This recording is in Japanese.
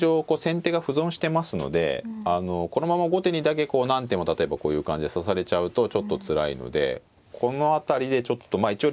こう先手が歩損してますのでこのまま後手にだけこう何手も例えばこういう感じで指されちゃうとちょっとつらいのでこの辺りでちょっとまあ